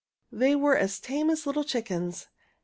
They were as tame as little chickens.